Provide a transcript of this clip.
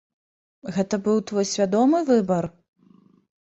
Гэта быў твой свядомы выбар?